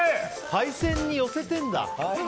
海鮮に寄せてるんだ。